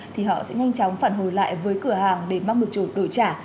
thì họ sẽ nhanh chóng phản hồi lại với cửa hàng để mắc một chủ đổi trả